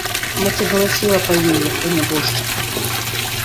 Маці галасіла па ёй, як па нябожчыку.